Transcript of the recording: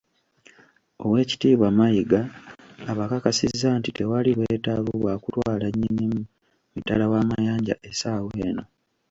Oweekitiibwa Mayiga abakakasizza nti tewali bwetaavu bwa kutwala Nnyinimu mitala w’amayanja essaawa eno